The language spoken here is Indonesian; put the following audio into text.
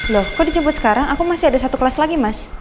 loh kok dijemput sekarang aku masih ada satu kelas lagi mas